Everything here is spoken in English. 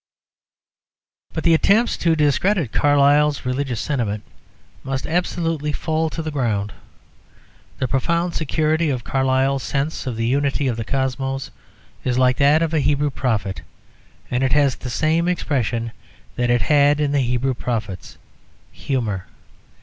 But the attempts to discredit Carlyle's religious sentiment must absolutely fall to the ground. The profound security of Carlyle's sense of the unity of the Cosmos is like that of a Hebrew prophet; and it has the same expression that it had in the Hebrew prophets humour.